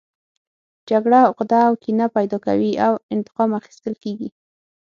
جګړه عقده او کینه پیدا کوي او انتقام اخیستل کیږي